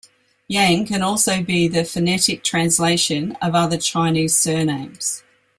"Yang" can also be the phonetic translation of other Chinese surnames.